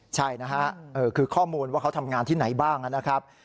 ใช่นะฮะคือข้อมูลว่าเขาทำงานที่ไหนบ้างนะครับ